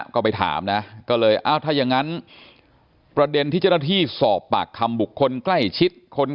ก็ไปถามนะก็เลยอ้าวถ้ายังงั้นประเด็นที่เจ้าหน้าที่สอบปากคำบุคคลใกล้ชิด